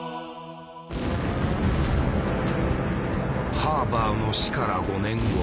ハーバーの死から５年後